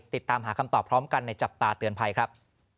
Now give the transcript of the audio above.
ติดตามหาคำตอบพร้อมกันในจับตาเตือนภัยครับ